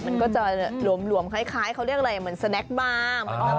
มันก็จะหลวมคล้ายเขาเรียกอะไรเหมือนสแนคบาร์เหมือนกัน